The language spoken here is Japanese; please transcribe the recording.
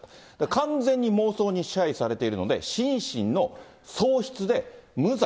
完全に妄想に支配されているので、心神の喪失で、無罪。